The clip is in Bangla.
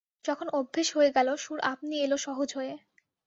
যখন অভ্যেস হয়ে গেল, সুর আপনি এল সহজ হয়ে।